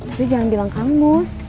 tapi jangan bilang karmus